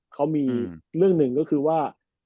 เขามีเรื่องหนึ่งก็คือว่า